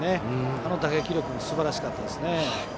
あの打撃力はすばらしかったです。